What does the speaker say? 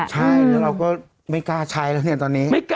ใช่แล้วเราก็ไม่กล้าใช้แล้วเนี่ยตอนนี้